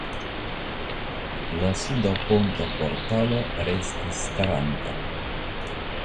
La suda ponta portalo restis staranta.